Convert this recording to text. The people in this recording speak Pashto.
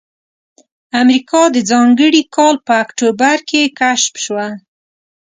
امریکا د ځانګړي کال په اکتوبر کې کشف شوه.